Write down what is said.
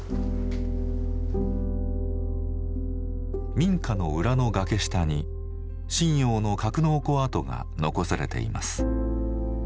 民家の裏の崖下に震洋の格納庫跡が残されています。